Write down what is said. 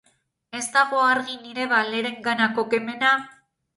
Ez dago argi nire Valereganako kemena?